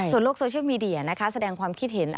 โลกโซเชียลมีเดียนะคะแสดงความคิดเห็น